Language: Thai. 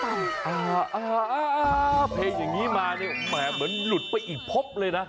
เพลงอย่างนี้มาเนี่ยแหมเหมือนหลุดไปอีกพบเลยนะ